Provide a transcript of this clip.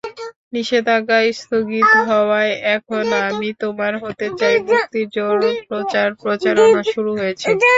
নিষেধাজ্ঞা স্থগিত হওয়ায় এখন আমি তোমার হতে চাই মুক্তির জোর প্রচার-প্রচারণা শুরু হয়েছে।